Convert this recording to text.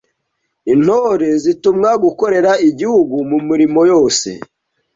Intore zitumwamo gukorera Igihugu mu mirimo wose